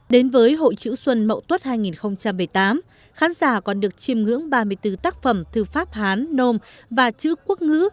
đến với hội chữ xuân mậu tuất hai nghìn một mươi tám khán giả còn được chiêm ngưỡng ba mươi bốn tác phẩm thư pháp hán nôm và chữ quốc ngữ